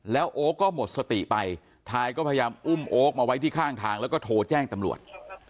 แล้วโอ๊คก็หมดสติไปทายก็พยายามอุ้มโอ๊คมาไว้ที่ข้างทางแล้วก็โทรแจ้งตำรวจ